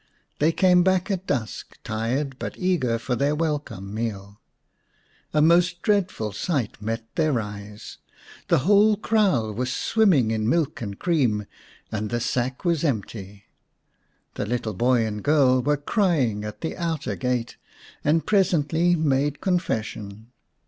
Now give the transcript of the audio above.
They came back at dusk, tired, but eager for their welcome meal. A most dreadful sight met their eyes. . The whole kraal was swimming in milk and cream, and the sack was empty. The little boy and girl were crying at the outer gate, and presently made confession.